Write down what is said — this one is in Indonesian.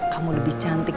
kamu lebih cantik